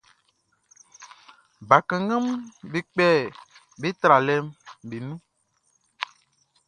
Bakannganʼm be kpɛ be tralɛʼm be nun.